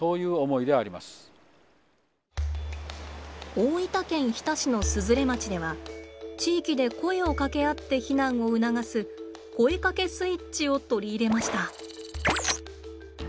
大分県日田市の鈴連町では地域で声をかけ合って避難を促す「声かけスイッチ」を取り入れました。